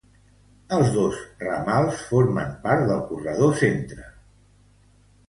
Els dos ramals formen part del Corredor Centro.